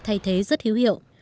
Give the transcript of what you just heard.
thay thế rất hữu hiệu